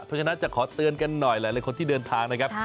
เพราะฉะนั้นจะขอเตือนกันหน่อยหลายคนที่เดินทางนะครับ